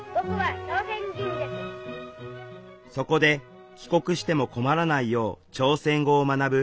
そこで帰国しても困らないよう朝鮮語を学ぶ